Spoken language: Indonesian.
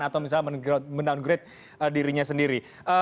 atau men downgrade dirinya sendiri